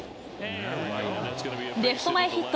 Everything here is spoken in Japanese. レフト前ヒット。